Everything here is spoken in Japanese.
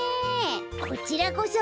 こちらこそ。